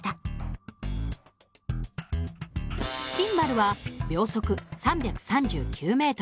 シンバルは秒速３３９ｍ。